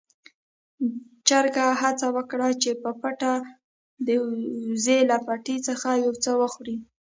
چرګ هڅه وکړه چې په پټه د وزې له پټي څخه يو څه وخوري.